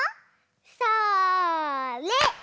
それ！